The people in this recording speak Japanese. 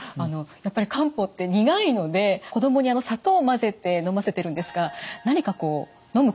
やっぱり漢方って苦いので子供に砂糖を混ぜてのませてるんですが何かこうのむ工夫ってありますか。